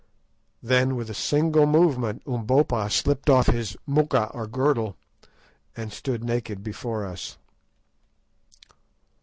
_" Then with a single movement Umbopa slipped off his "moocha" or girdle, and stood naked before us.